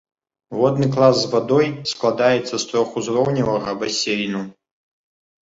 Водны клас з вадой складаецца з трохузроўневага басейну.